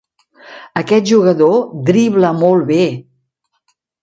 Aquest jugador dribla molt bé.